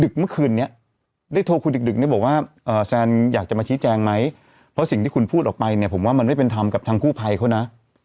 เมื่อคืนนี้ได้โทรคุณดึกเนี่ยบอกว่าแซนอยากจะมาชี้แจงไหมเพราะสิ่งที่คุณพูดออกไปเนี่ยผมว่ามันไม่เป็นธรรมกับทางกู้ภัยเขานะ